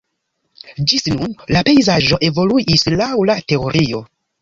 Ĝis nun la pejzaĝo evoluis laŭ la teorio.